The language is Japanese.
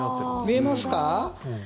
見えますか？